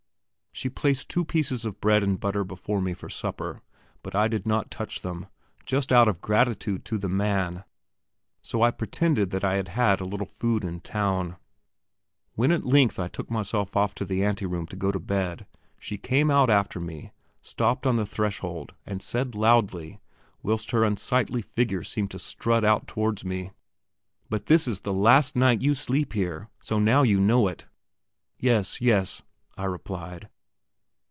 She placed two pieces of bread and butter before me for supper, but I did not touch them, just out of gratitude to the man; so I pretended that I had had a little food in town. When at length I took myself off to the anteroom to go to bed, she came out after me, stopped on the threshold, and said loudly, whilst her unsightly figure seemed to strut out towards me: "But this is the last night you sleep here, so now you know it." "Yes, yes," I replied.